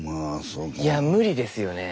いや無理ですよね。